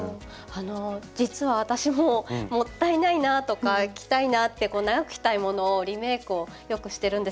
あの実は私ももったいないなとか着たいなって長く着たいものをリメイクをよくしてるんですけど。